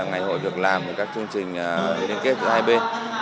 ngày hội được làm một các chương trình liên kết giữa hai bên